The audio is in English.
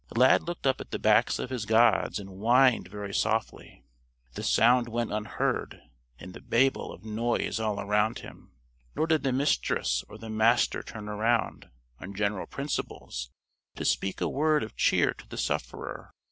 Lad looked up at the backs of his gods, and whined very softly. The sound went unheard, in the babel of noise all around him. Nor did the Mistress, or the Master turn around, on general principles, to speak a word of cheer to the sufferer.